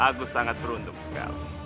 aku sangat beruntung sekali